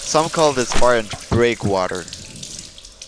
Some call this variant "Breakwater".